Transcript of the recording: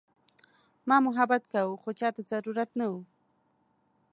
ما محبت کاوه خو چاته ضرورت نه وه.